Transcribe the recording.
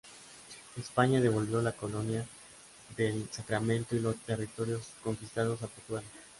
España devolvió la Colonia del Sacramento y los territorios conquistados a Portugal.